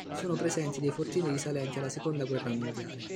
Sono presenti dei fortini risalenti alla Seconda guerra mondiale.